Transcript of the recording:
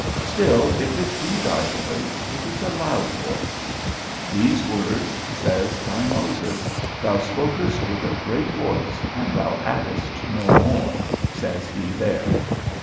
Still, if it be thy voice, it is a loud voice. These words, says thy Moses, thou spokest with a great voice, and thou addedst no more, says he there.